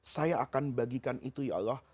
saya akan bagikan itu ya allah